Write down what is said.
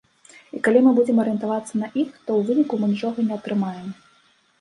І калі мы будзем арыентавацца на іх, то ў выніку мы нічога не атрымаем.